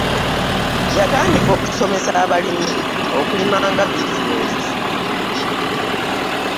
Yatandiika okusomesa abalimi okulima nga bizinensi.